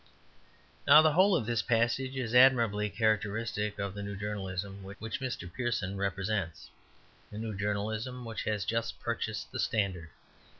Now the whole of this passage is admirably characteristic of the new journalism which Mr. Pearson represents, the new journalism which has just purchased the Standard.